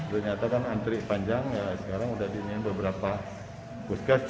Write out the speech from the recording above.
ternyata kan antri panjang ya sekarang udah diinian beberapa puskes